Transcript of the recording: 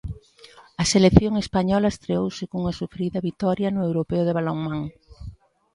A selección española estreouse cunha sufrida vitoria no Europeo de Balonmán.